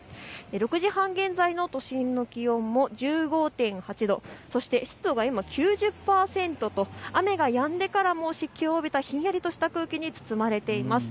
６時半現在の都心の気温も１５．８度、そして湿度が今、９０％と雨がやんでからも湿気を帯びたひんやりとした空気に包まれています。